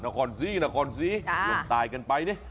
นครศรีนครศรีลมตายกันไปนี่